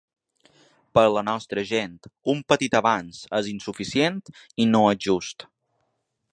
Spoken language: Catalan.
Per la nostra gent un petit avanç és insuficient i no és just.